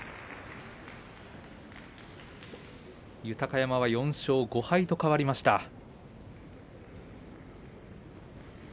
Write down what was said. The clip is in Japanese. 豊山は４勝５敗と変わりました。